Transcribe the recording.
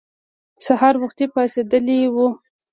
سهار وختي پاڅېدلي وو.